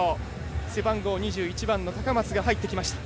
背番号２１番の高松入ってきました。